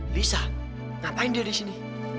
lisa ngapain dia disini